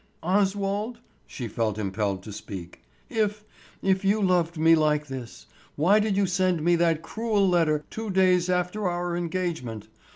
"Oswald,"—she felt impelled to speak, "if—if you loved me like this, why did you send me that cruel letter two days after our engagement?